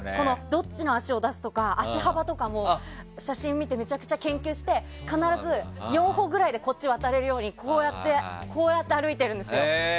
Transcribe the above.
どっちの足を出すとか足幅とかも写真を見てめちゃくちゃ研究して必ず４歩ぐらいでこっち渡れるように歩いているんですよ。